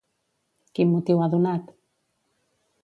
Quin motiu ha donat?